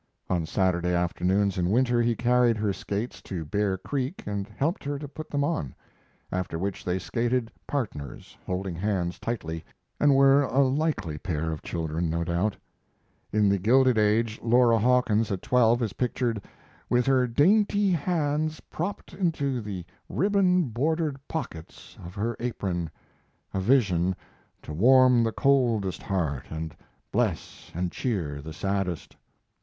On Saturday afternoons in winter he carried her skates to Bear Creek and helped her to put them on. After which they skated "partners," holding hands tightly, and were a likely pair of children, no doubt. In The Gilded Age Laura Hawkins at twelve is pictured "with her dainty hands propped into the ribbon bordered pockets of her apron... a vision to warm the coldest heart and bless and cheer the saddest."